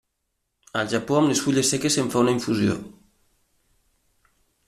Al Japó amb les fulles seques se'n fa una infusió.